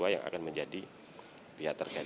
yang akan menjadi pihak terkait